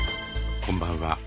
こんばんは。